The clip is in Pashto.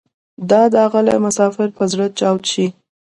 دا داغلی مسافر به زره چاود شي